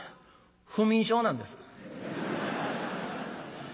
「不眠症なんです」。